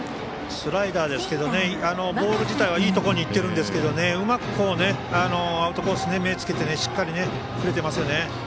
スライダーですけどボール自体はいいところに行ってるんですけどねうまくアウトコースに目をつけてしっかり振れていますよね。